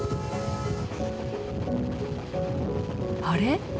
あれ？